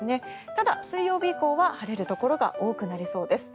ただ、水曜日以降は晴れるところが多くなりそうです。